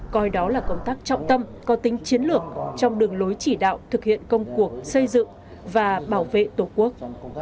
coi đó là công tác trọng tâm có tính chiến lược trong đường lối chỉ đạo thực hiện công cuộc xây dựng và bảo vệ tổ quốc